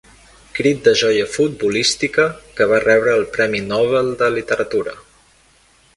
Crit de joia futbolística que va rebre el premi Nobel de literatura.